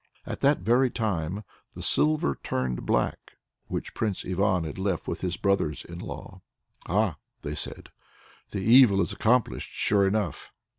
At that very time, the silver turned black which Prince Ivan had left with his brothers in law. "Ah!" said they, "the evil is accomplished sure enough!"